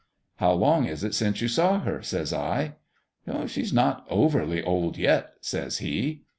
"' How long is it since you've saw her ?' says I. "' She's not overly old yet,' says he.